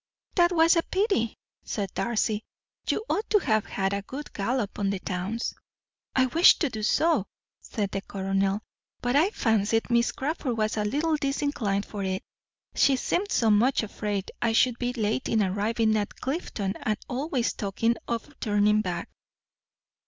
"That was a pity," said Darcy; "you ought to have had a good gallop on the downs." "I wished to do so," said the Colonel, "but I fancied Miss Crawford was a little disinclined for it. She seemed so much afraid I should be late in arriving at Clifton and always talking of turning back."